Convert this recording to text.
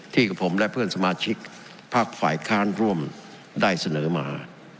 กับผมและเพื่อนสมาชิกภาคฝ่ายค้านร่วมได้เสนอมา